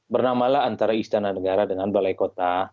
bernamalah antara istana negara dengan balai kota